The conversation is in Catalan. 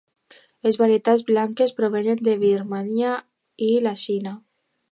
Les varietats blanques provenen de Birmània i la Xina.